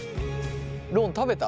ロン食べた？